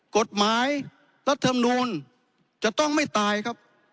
กฎหมายรัฐมนูลจะต้องไม่ตายครับ